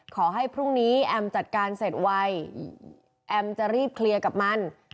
ขอให้พรุ่งนี้แอมจัดการเสร็จไวแอมจะรีบเคลียร์กับมัน